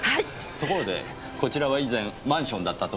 ところでこちらは以前マンションだったと伺いましたが。